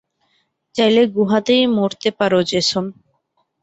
চাইলে গুহাতেই মরতে পারো, জেসন।